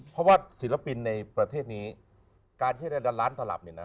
เพราะว่าศิลปินในประเทศนี้การใช้ได้ล้านตลับเนี่ยนะ